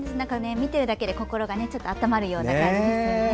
見てるだけで心が温まるような感じですね。